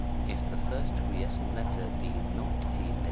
IF the first quiescent letter be not a *,x.